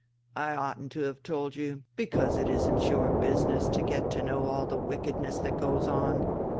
"I oughtn't to have told you, because it isn't your business to get to know all the wickedness that goes on.